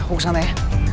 gue kesana ya